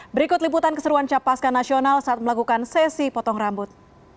berikut liputan keseruan capaskan nasional saat melakukan sesi potong rambut